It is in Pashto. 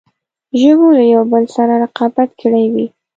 ژبو له یوه بل سره رقابت کړی وي.